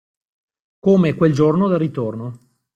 Come quel giorno del ritorno.